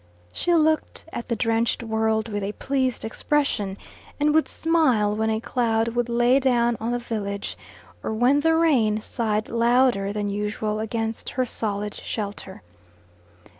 She looked at the drenched world with a pleased expression, and would smile when a cloud would lay down on the village, or when the rain sighed louder than usual against her solid shelter.